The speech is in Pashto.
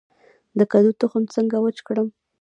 د کدو تخم څنګه وچ کړم؟